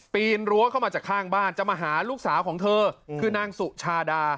ปีนรั้วเข้ามาจากข้างบ้านจะมาหาลูกสาวของเธอคือนางสุชาดา